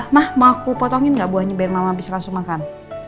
mah mau aku potongin gak buahnya biar mama bisa langsung makan